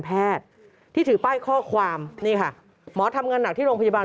ที่ถือป้ายข้อความนี่ค่ะหมอทำงานหนักที่โรงพยาบาล